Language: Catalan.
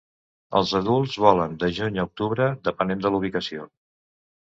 Els adults volen de juny a octubre, depenent de la ubicació.